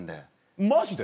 マジで？